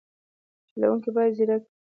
چلوونکی باید ځیرک وي.